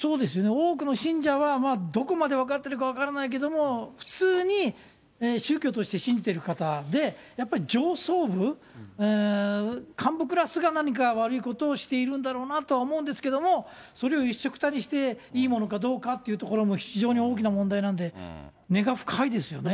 多くの信者はどこまで分かってるかわからないけども、普通に宗教として信じてる方で、やっぱり上層部、幹部クラスが何か悪いことをしているんだろうなとは思うんですけども、それを一緒くたにしていいものかどうかというところも非常に大きな問題なんで、根が深いですよね。